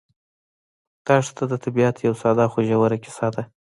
دښته د طبیعت یوه ساده خو ژوره کیسه ده.